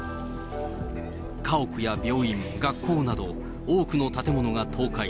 家屋や病院、学校など、多くの建物が倒壊。